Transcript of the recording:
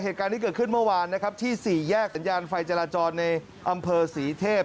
เหตุการณ์ที่เกิดขึ้นเมื่อวานนะครับที่สี่แยกสัญญาณไฟจราจรในอำเภอศรีเทพ